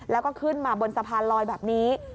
แล้วก็ขึ้นมาบนสะพานลอยแบบนี้